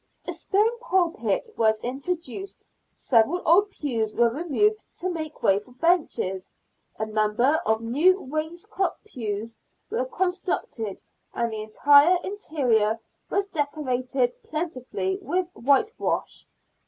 A stone pulpit was introduced, several old pews were removed to make way for benches, a number of new wainscot pews were constructed, and the entire interior was decorated plentifully with whitewash.